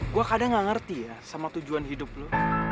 gue kadang gak ngerti ya sama tujuan hidup lo